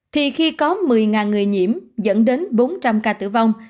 thì khi có một mươi người nhiễm dẫn đến bốn trăm linh ca tử vong